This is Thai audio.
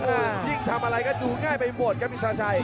อ้าวยิ่งทำอะไรก็ดูง่ายไปหมดกับไอธาชัย